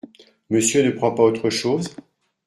Monsieur ne prend pas autre chose ?